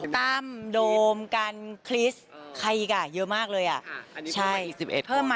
ตำโดมกันคริสต์ใครอีกอ่ะเยอะมากเลยอ่ะ